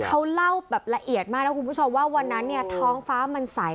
เขาเล่าแบบละเอียดมากนะคุณผู้ชมว่าวันนั้นเนี่ยท้องฟ้ามันใส